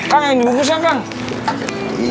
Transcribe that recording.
kang yang ini bungkus ya kang